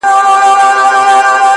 ورته مخ د بې بختۍ سي د خواریو،